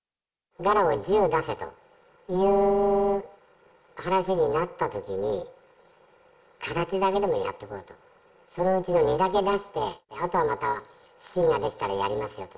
ガラを１０出せという話になったときに、形だけでもやっておこうと、そのうちの２だけ出して、あとはまた、資金が出来たら、やりますよと。